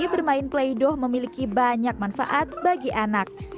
bermain play doh memiliki banyak manfaat bagi anak